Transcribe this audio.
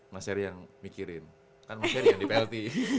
mas heri yang mikirin kan mas heri yang di plt